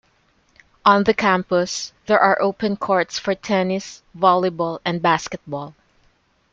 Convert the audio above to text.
On the Campus there are open courts for tennis, volleyball and basketball.